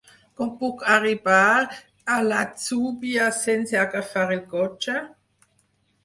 Com puc arribar a l'Atzúbia sense agafar el cotxe?